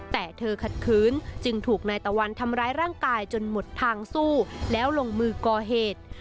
แต่เธอขัดขืนจึงถูกนายตะวันทำร้ายร่างกายจนหมดทางสู้แล้วลงมือก่อเหตุ